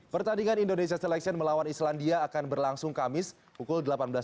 pertandingan indonesia selection melawan islandia akan berlangsung kamis pukul delapan belas tiga puluh